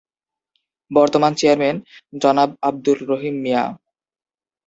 বর্তমান চেয়ারম্যান- জনাব আঃ রহিম মিয়া।